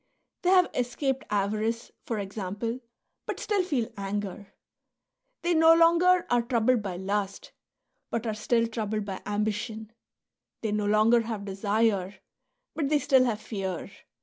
They have escaped avarice, for example, but still feel anger ; they no longer are troubled by lust, but are still troubled by ambition ; they no longer have desire, but they still have fear.